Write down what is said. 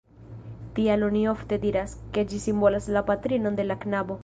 Tial oni ofte diras, ke ĝi simbolas la patrinon de la knabo.